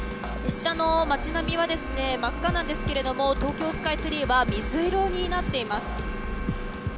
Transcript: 下の街並みは真っ赤なんですけれども東京スカイツリーは水色になっています。